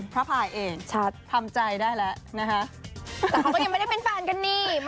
เพิ่งไม่ได้เป็นแฟนกันนี่